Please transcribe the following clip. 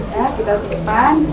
ya kita sedepan